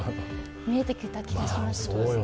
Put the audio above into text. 見えてきちゃった気がします。